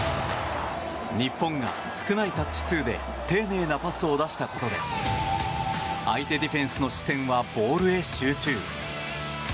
日本が少ないタッチ数で丁寧なパスを出したことで相手ディフェンスの視線はボールへ集中。